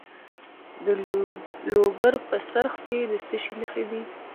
د لوګر په څرخ کې د څه شي نښې دي؟